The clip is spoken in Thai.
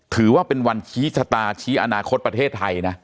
ถือว่าเป็นวันชี้ชะตาชี้อนาคตประเทศไทยนะ